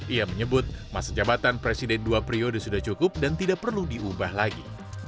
ia menyebut masa jabatan presiden dua priode sudah cukup dan tidak perlu diubah lagi